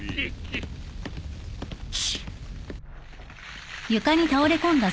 チッ。